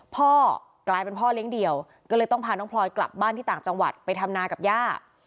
พ่อกลายเป็นพ่อเลี้ยงเดี่ยวก็เลยต้องพาน้องพลอยกลับบ้านที่ต่างจังหวัดไปทำนากับย่า